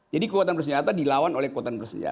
jadi kekuatan bersenjata dilawan oleh kekuatan bersenjata